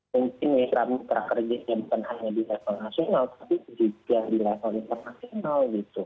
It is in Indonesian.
mungkin rame rame prakerja yang bukan hanya di level nasional tapi juga di level internasional gitu